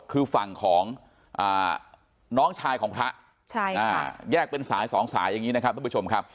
คือฝั่งของน้องชายของพระแยกเป็นสายสองสายอย่างนี้นะครับทุกผู้ชมครับ